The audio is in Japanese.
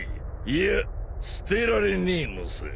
いや捨てられねえのさ。